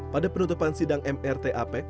pada penutupan sidang mrt apec